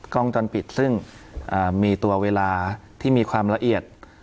กล้องจรปิดซึ่งมีตัวเวลาที่มีความละเอียด